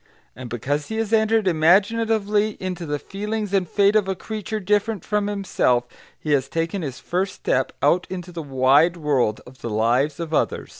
And because he has entered imaginatively into the feelings and fate of a creature different from himself, he has taken his first step out into the wide world of the lives of others.